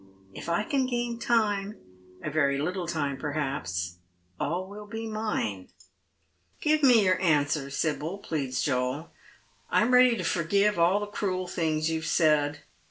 If I can gain time — a very little time, perhaps — all will be mine." " Give me your answer, Sibyl," pleads Joel. " I am ready to forgive all the cruel things you have said.